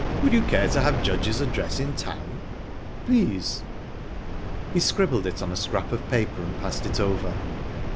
Would you care to have Judge's address in town?" "Please." He scribbled it on a scrap of paper, and passed it over.